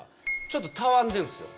ちょっとたわんでるんですよ。